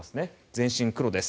全身黒です。